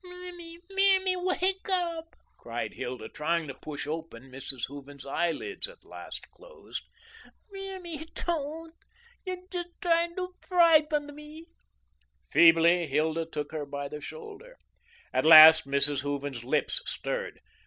"Mammy, mammy, wake up," cried Hilda, trying to push open Mrs. Hooven's eyelids, at last closed. "Mammy, don't. You're just trying to frighten me." Feebly Hilda shook her by the shoulder. At last Mrs. Hooven's lips stirred.